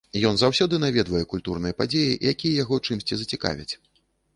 Ён заўсёды наведвае культурныя падзеі, якія яго чымсьці зацікавяць.